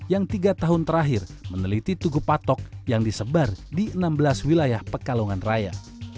yang tiga tahun terakhir meneliti tugu patok yang disebar di enam belas wilayah pekalongan raya